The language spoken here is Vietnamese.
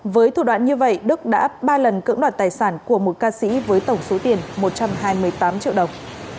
với thủ đoạn như vậy đức đã ba lần cưỡng đoạt tài sản của một ca sĩ với tổng số tiền một trăm hai mươi tám triệu đồng